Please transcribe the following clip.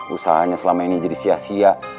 usahanya selama ini jadi sia sia